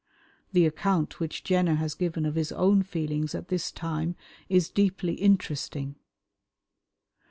The account which Jenner has given of his own feelings at this time is deeply interesting.